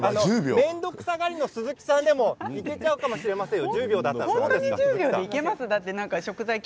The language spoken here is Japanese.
面倒くさがりの鈴木さんでも、いけちゃうかもしれませんよ。